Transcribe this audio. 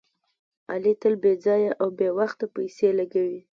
علي تل بې ځایه او بې وخته پیسې لګوي.